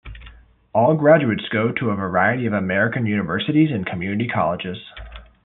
All graduates go to a variety of American universities and community colleges.